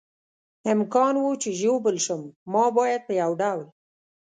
امکان و، چې ژوبل شم، ما باید په یو ډول.